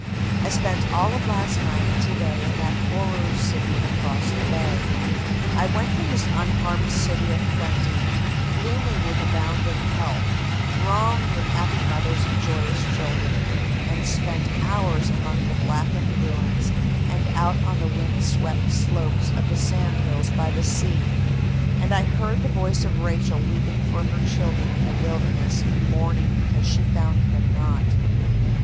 "I spent all of last night and to day in that horror city across the bay. I went from this unharmed city of plenty, blooming with abounding health, thronged with happy mothers and joyous children, and spent hours among the blackened ruins and out on the windswept slopes of the sand hills by the sea, and I heard the voice of Rachel weeping for her children in the wilderness and mourning because she found them not.